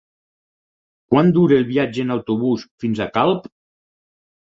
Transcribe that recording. Quant dura el viatge en autobús fins a Calp?